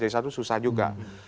itu susah juga